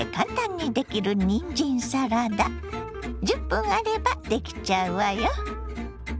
１０分あればできちゃうわよ。